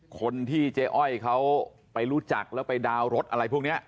คนที่เจ๊อ้อยเขาไปรู้จักแล้วไปดาวน์รถอะไรพวกนี้